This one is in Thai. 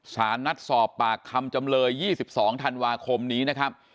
สารนัดสอบปากคำจำเลย๒๒ธันวาคมนี้นะครับ